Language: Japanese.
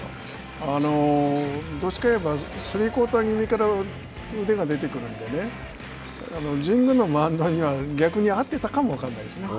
どっちかといえばスリークォーターぎみから腕が出てくるので神宮のマウンドには逆に合ってたかも分からないですね。